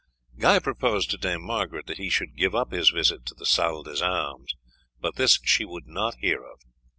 Guy proposed to Dame Margaret that he should give up his visit to the salle d'armes, but this she would not hear of.